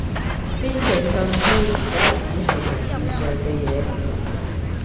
邊境禁區而家只係名義上嘅嘢